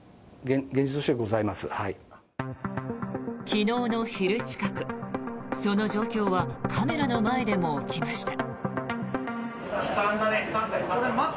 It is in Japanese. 昨日の昼近く、その状況はカメラの前でも起きました。